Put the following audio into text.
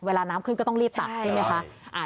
เวลาน้ำขึ้นก็ต้องรีบตักใช่ไหมคะ